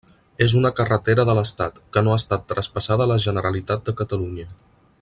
És una carretera de l'estat, que no ha estat traspassada a la Generalitat de Catalunya.